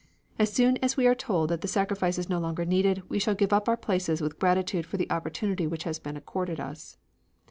As soon as we are told that the sacrifice is no longer needed, we shall give up our places with gratitude for the opportunity which has been accorded us."